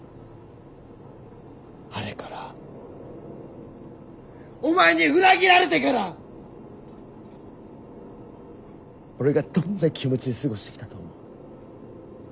あれからお前に裏切られてから俺がどんな気持ちで過ごしてきたと思う？